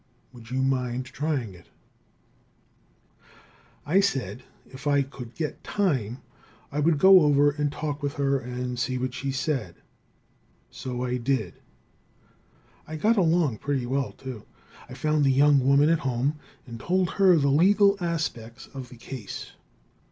Would you mind trying it?" [Illustration: "COAXING."] I said if I could get time I would go over and talk with her and see what she said. So I did. I got along pretty well, too. I found the young woman at home, and told her the legal aspects of the case.